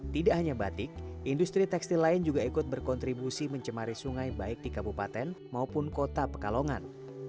tidak hanya batik industri tekstil lain juga ikut berkontribusi mencemari sungai baik di kabupaten maupun kota pekalongan